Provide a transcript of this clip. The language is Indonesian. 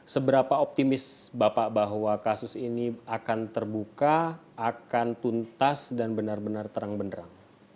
seberapa optimis bapak bahwa kasus ini akan terbuka akan tuntas dan benar benar terang benerang